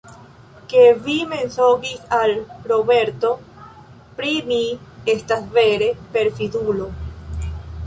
Ke vi mensogis al Roberto pri mi, estas vere, perfidulo.